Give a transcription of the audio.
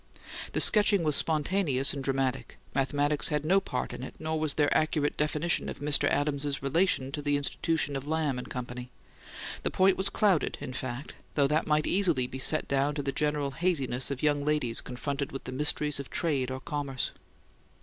The sketching was spontaneous and dramatic. Mathematics had no part in it; nor was there accurate definition of Mr. Adams's relation to the institution of Lamb and Company. The point was clouded, in fact; though that might easily be set down to the general haziness of young ladies confronted with the mysteries of trade or commerce.